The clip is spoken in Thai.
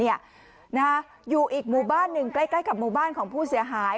อยู่อีกหมู่บ้านหนึ่งใกล้กับหมู่บ้านของผู้เสียหาย